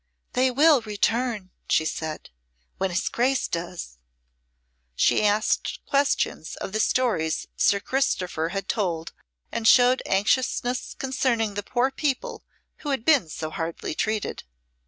"They will return," she said, "when his Grace does." She asked questions of the stories Sir Christopher had told and showed anxiousness concerning the poor people who had been so hardly treated.